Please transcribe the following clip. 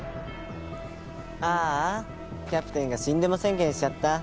あーあキャプテンが死んでも宣言しちゃった。